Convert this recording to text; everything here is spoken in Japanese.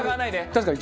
確かに。